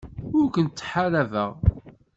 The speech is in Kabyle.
Ur kent-ttḥaṛabeɣ.